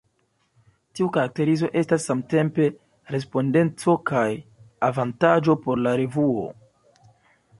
Tiu karakterizo estas samtempe respondeco kaj avantaĝo por la revuo.